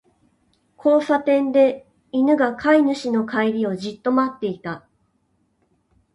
交差点で、犬が飼い主の帰りをじっと待っていた。